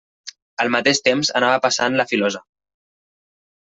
Al mateix temps, anava passant la filosa.